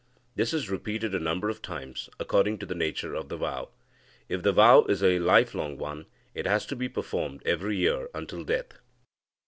This is repeated a number of times according to the nature of the vow. If the vow is a life long one, it has to be performed every year until death.